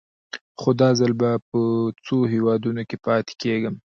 خو دا ځل به په څو هېوادونو کې پاتې کېږم.